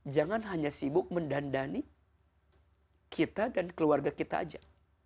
jangan hanya sibuk mendandani kita dan keluarga kita aja